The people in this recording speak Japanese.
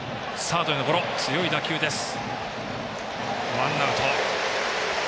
ワンアウト。